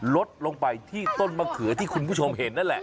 ลดลงไปที่ต้นมะเขือที่คุณผู้ชมเห็นนั่นแหละ